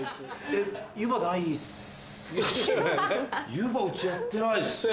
湯葉うちやってないっすね。